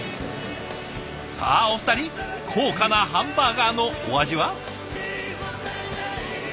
さあお二人高価なハンバーガーのお味は？